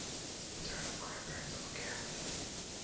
His paternal grandparents were Capt.